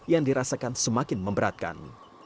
yang dirasakan semakin memberatkan